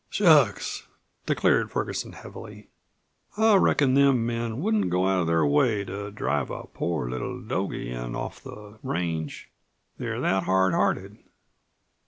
"Shucks!" declared Ferguson heavily. "I reckon them men wouldn't go out of their way to drive a poor little dogie in off the range. They're that hard hearted."